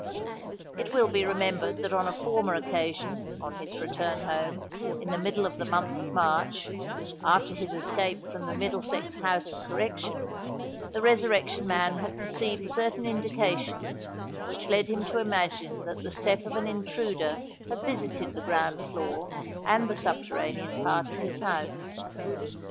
It will be remembered that on a former occasion,—on his return home, in the middle of the month of March, after his escape from the Middlesex House of Correction,—the Resurrection Man had perceived certain indications which led him to imagine that the step of an intruder had visited the ground floor and the subterranean part of his house.